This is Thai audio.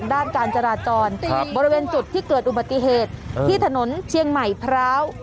ด้านการจราจรบริเวณจุดที่เกิดอุบัติเหตุที่ถนนเชียงใหม่พร้าว